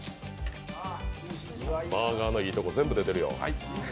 バーガーのいいとこ全部出てるよ。